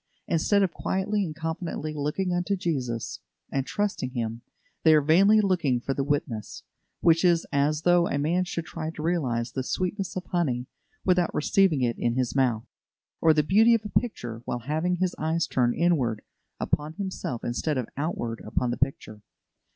Instead of quietly and confidently looking unto Jesus, and trusting Him, they are vainly looking for the witness; which is as though a man should try to realise the sweetness of honey, without receiving it in his mouth; or the beauty of a picture, while having his eyes turned inward upon himself instead of outward upon the picture.